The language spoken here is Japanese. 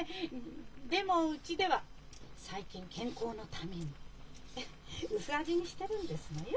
でもうちでは最近健康のためにフフッ薄味にしてるんですのよ。